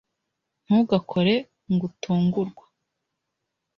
ntugakore gutungurwa